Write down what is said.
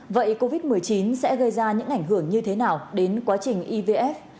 vậy covid một mươi chín sẽ gây ra những ảnh hưởng như thế nào đến quá trình ivf